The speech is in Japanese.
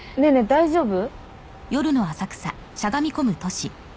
大丈夫？